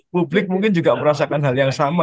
publik mungkin juga merasakan hal yang sama